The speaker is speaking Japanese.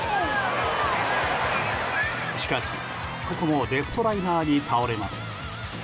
しかし、ここもレフトライナーに倒れます。